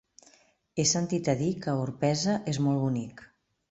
He sentit a dir que Orpesa és molt bonic.